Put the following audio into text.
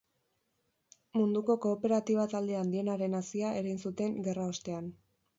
Munduko kooperatiba-talde handienaren hazia erein zuten gerraostean.